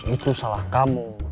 itu salah kamu